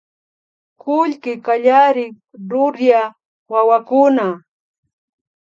Kullki kallarik rurya wawakuna